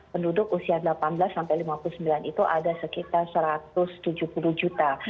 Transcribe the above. penduduk usia delapan belas sampai lima puluh sembilan itu ada sekitar satu ratus tujuh puluh juta